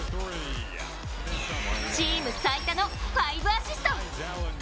チーム最多の５アシスト。